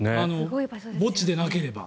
墓地でなければ。